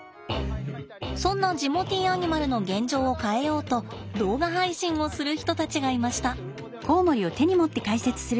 そんなジモティーアニマルの現状を変えようと動画配信をする人たちがいました。